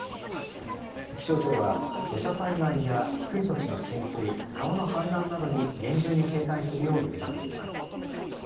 気象庁は土砂災害や低い土地の浸水、川の氾濫などに厳重に警戒するよう呼びかけています。